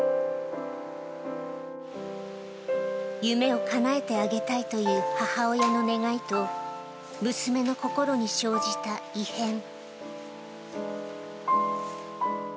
夢をかなえてあげたいという母親の願いと、娘の心に生じた異変。